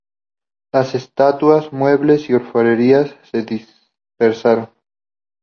Las estatuas, muebles y orfebrería se dispersaron.